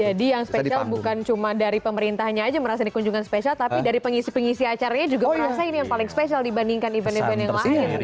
jadi yang spesial bukan cuma dari pemerintahnya aja merasa dikunjungkan spesial tapi dari pengisi pengisi acaranya juga merasa ini yang paling spesial dibandingkan event event yang lain